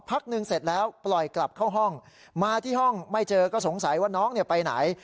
พักหนึ่งเสร็จแล้วปล่อยกลับเข้าห้องมาที่ห้องไม่เจอก็สงสัยว่าน้องไปไหน